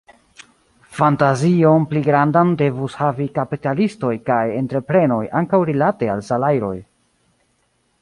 Fantazion pli grandan devus havi kapitalistoj kaj entreprenoj ankaŭ rilate al salajroj.